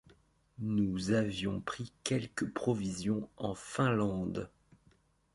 Nous avions pris quelques provisions en Finlande.